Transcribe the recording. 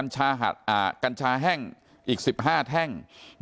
ยาไอซ๑๔๖๕๕กรัมกัญชาแห้งอีก๑๕แท่ง